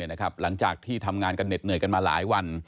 หลังจากที่ทำงานกันเหน็ดเหนื่อยกันมาหลายวัน